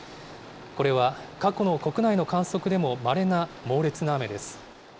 これは過去の国内の観測でもまれな猛烈な雨です。